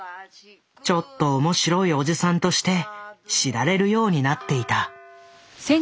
ちょっと面白いおじさんとして知られるようになっていた。